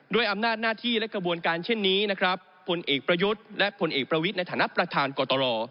อำนาจหน้าที่และกระบวนการเช่นนี้นะครับผลเอกประยุทธ์และผลเอกประวิทย์ในฐานะประธานกตร